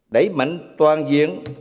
đẩy mạnh toàn diện